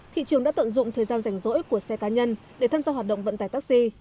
thị trường đã tận dụng thời gian rảnh rỗi của xe cá nhân để tham gia hoạt động vận tải taxi